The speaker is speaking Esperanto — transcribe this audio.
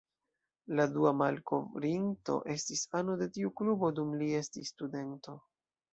La dua malkovrinto estis ano de tiu klubo dum li estis studento.